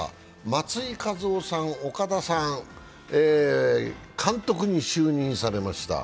松井稼頭央さん、岡田さん、監督に就任されました。